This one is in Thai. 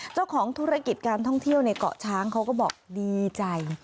เจ้าของธุรกิจการท่องเที่ยวในเกาะช้างเขาก็บอกดีใจ